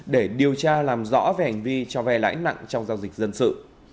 để điều tra làm rõ về hành vi cho ve lãi nặng trong giao dịch dân sự